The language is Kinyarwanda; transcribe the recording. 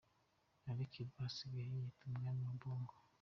Ali Kiba asigaye yiyita umwami wa Bongo.